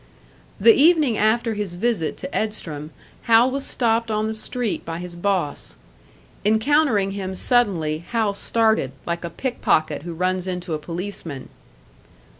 The evening after his visit to Edstrom, Hal was stopped on the street by his boss. Encountering him suddenly, Hal started, like a pick pocket who runs into a policeman.